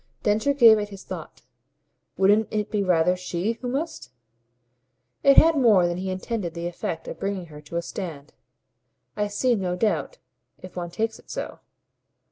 Densher gave it his thought. "Wouldn't it be rather SHE who must?" It had more than he intended the effect of bringing her to a stand. "I see. No doubt, if one takes it so."